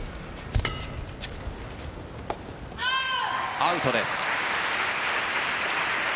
アウトです。